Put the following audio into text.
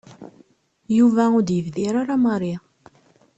Yuba ur d-yebdir ara Mary.